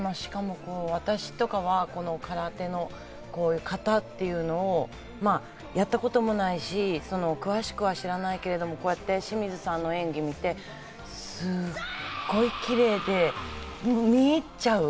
私とかはこの空手の形というのをやったこともないし、詳しくは知らないけれど、こうやって清水さんの演技を見て、すごいキレイで見入っちゃう。